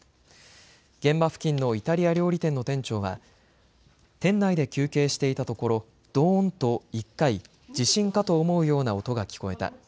現場付近のイタリア料理店の店長は、店内で休憩していたところどーんと１回、地震かと思うような音が聞こえた。